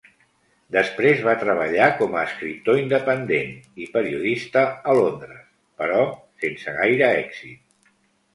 Després va treballar com a escriptor independent i periodista a Londres, però sense gaire èxit.